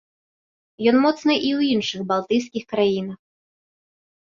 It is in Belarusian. Ён моцны і ў іншых балтыйскіх краінах.